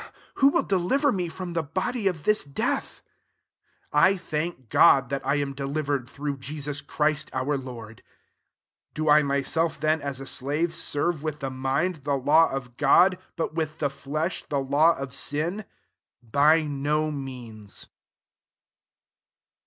^" will deliver me from the btfl of this death ? 25 I thank Gm that I am deliver ed^ thn^ Jesus Christ our Lord. Do I myself then, as a slafi serve with the mind, the law( God ; but with the flesh 41 law of sin ?* By no meang.